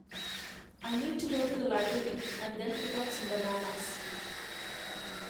I need to go to the library, and then pick up some bananas.